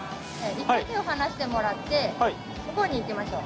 一回手を離してもらって向こうに行きましょう。